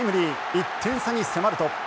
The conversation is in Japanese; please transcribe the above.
１点差に迫ると。